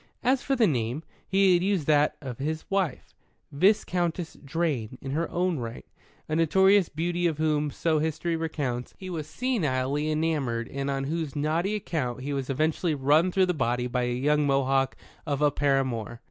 As for the name, he had used that of his wife, Viscountess Drane in her own right, a notorious beauty of whom, so History recounts, he was senilely enamoured and on whose naughty account he was eventually run through the body by a young Mohawk of a paramour.